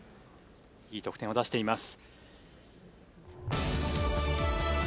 いい得点を出しています。